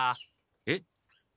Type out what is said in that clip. えっ？